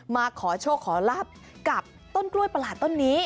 มาขอโชคขอลาบกับต้นกล้วยประหลาดต้นนี้